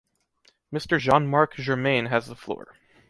Mr. Jean-Marc Germain has the floor.